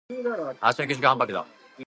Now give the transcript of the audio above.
明日の給食はハンバーグだ。